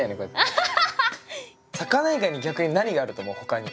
魚以外に逆に何があると思う？ほかに。